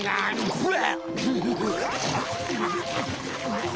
ほら。